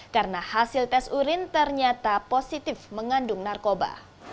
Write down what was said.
karena hasil tes urin ternyata positif mengandung narkoba